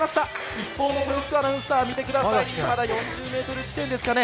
一方の豊福アナウンサーはまだ４０ｍ地点ですかね。